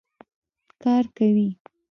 کار کوي.